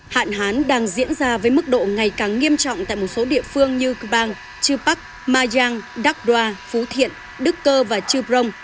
hạn hán đang diễn ra với mức độ ngày càng nghiêm trọng tại một số địa phương như cư bang chư bắc ma giang đắc đoa phú thiện đức cơ và trư prong